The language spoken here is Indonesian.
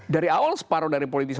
dari awal separuh dari politik